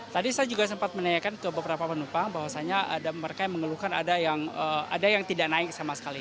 tadi saya juga sempat menanyakan ke beberapa penumpang bahwasannya mereka yang mengeluhkan ada yang tidak naik sama sekali